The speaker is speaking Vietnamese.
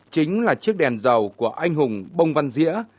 chính là chiếc đèn dầu của anh hùng bông văn dĩa